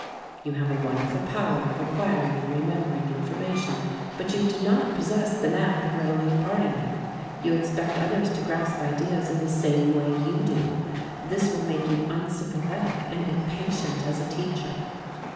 You have a wonderful power of acquiring and remembering information, but you do not possess the knack of readily imparting it. You expect others to grasp ideas in the same way you do. This will make you unsympathetic and impatient as a teacher.